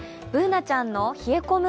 Ｂｏｏｎａちゃんの冷え込む